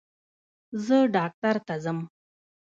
زه ډاکټر ته ځم